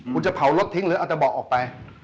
คุณจะเผารถทิ้งหรือเอาตะเบาะออกไป